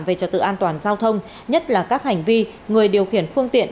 về trật tự an toàn giao thông nhất là các hành vi người điều khiển phương tiện